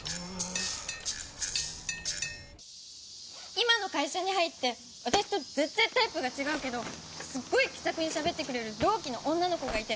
今の会社に入って私と全然タイプがすっごい気さくにしゃべってくれる同期の女の子がいて。